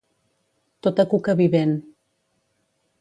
Tota cuca vivent.